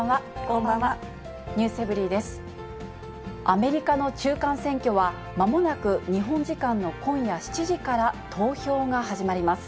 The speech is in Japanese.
アメリカの中間選挙は、まもなく日本時間の今夜７時から、投票が始まります。